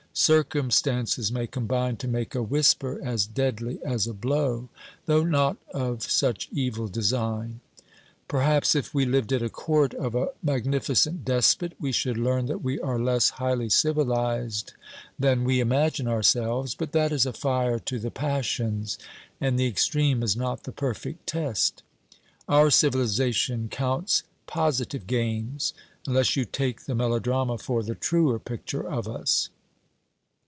Circumstances may combine to make a whisper as deadly as a blow, though not of such evil design. Perhaps if we lived at a Court of a magnificent despot we should learn that we are less highly civilized than we imagine ourselves; but that is a fire to the passions, and the extreme is not the perfect test. Our civilization counts positive gains unless you take the melodrama for the truer picture of us.